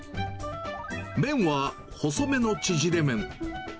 麺は細めの縮れ麺。